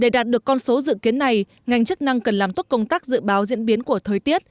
để đạt được con số dự kiến này ngành chức năng cần làm tốt công tác dự báo diễn biến của thời tiết